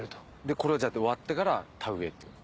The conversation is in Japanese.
これ終わってから田植えっていうこと？